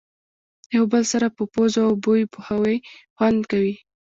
یو بل سره په پوزو او بوی پوهوي خوند کوي.